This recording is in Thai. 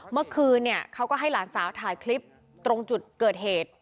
เมื่อคืนเนี่ยเขาก็ให้หลานสาวถ่ายคลิปตรงจุดเกิดเหตุ